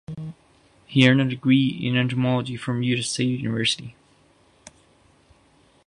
He earned a degree in entomology from Utah State University.